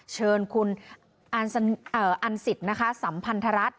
เชิญคุณอันสิทธิ์นะคะสัมพันธรัฐ